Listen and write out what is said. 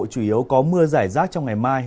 chủ yếu có mưa giải rác trong ngày mai